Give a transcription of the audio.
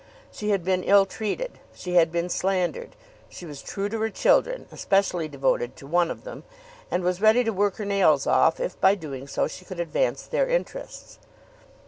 She had been ill treated. She had been slandered. She was true to her children, especially devoted to one of them, and was ready to work her nails off if by doing so she could advance their interests.